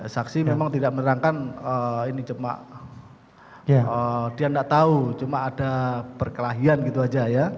saksi memang tidak menerangkan ini cuma dia nggak tahu cuma ada perkelahian gitu aja ya